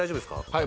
はい。